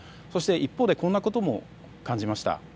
そして一方でこんなことも感じました。